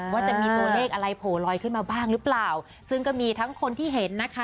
ว่าจะมีตัวเลขอะไรโผล่ลอยขึ้นมาบ้างหรือเปล่าซึ่งก็มีทั้งคนที่เห็นนะคะ